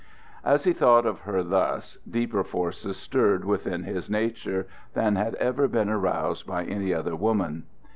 As he thought of her thus, deeper forces stirred within his nature than had ever been aroused by any other woman.